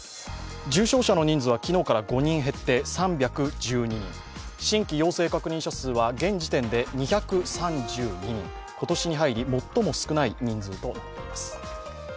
重症者の人数は昨日から５人減って３１２人新規陽性確認者数は現時点で２３２人今年に入り、最も少ない人数となっています。